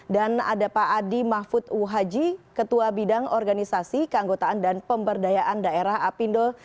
dan ada pak adi mahfud uwhaji ketua bidang organisasi keanggotaan dan pemberdayaan daerah apindol